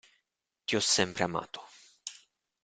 Ti ho sempre amato!